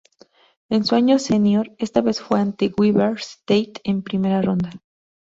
En su año senior, esta vez fue ante Weber State en primera ronda.